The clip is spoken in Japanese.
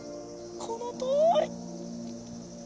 このとおり！